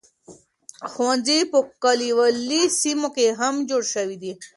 ښوونځي په کليوالي سیمو کې هم جوړ شوي دي.